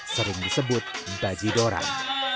sering disebut daji doran